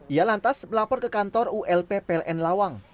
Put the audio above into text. ia lantas melapor ke kantor ulp pln lawang